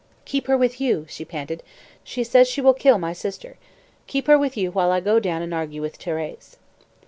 "Keep her with you," she panted; "she says she will kill my sister. Keep her with you while I go down and argue with Thérèse."